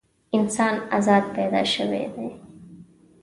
انسان ازاد پیدا شوی دی.